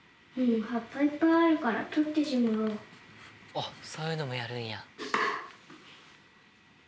あっそういうのもやるんや。